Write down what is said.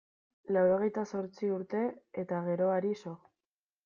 Laurogehita zortzi urte eta geroari so.